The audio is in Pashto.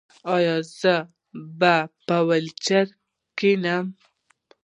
ایا زه به په ویلچیر کینم؟